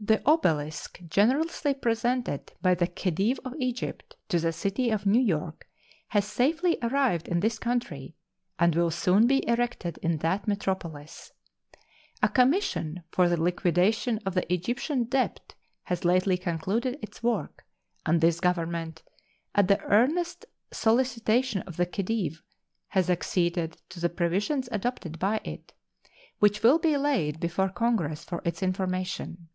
The obelisk generously presented by the Khedive of Egypt to the city of New York has safely arrived in this country, and will soon be erected in that metropolis. A commission for the liquidation of the Egyptian debt has lately concluded its work, and this Government, at the earnest solicitation of the Khedive, has acceded to the provisions adopted by it, which will be laid before Congress for its information.